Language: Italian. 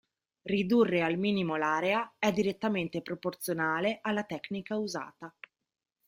Ridurre al minimo l'area è direttamente proporzionale alla tecnica usata.